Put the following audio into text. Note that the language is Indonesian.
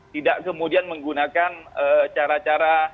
tidak kemudian menggunakan cara cara